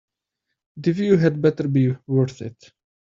The view had better be worth it.